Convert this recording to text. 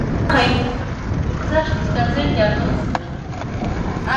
Ra jainkoaren gurtza sustatzen jardun zuen.